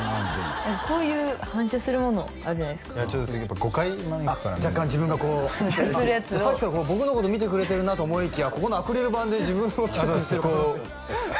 こういう反射するものあるじゃないですかちょっと誤解招くから若干自分がこうさっきから僕のこと見てくれてるなと思いきやここのアクリル板で自分のをチェックしてるんですね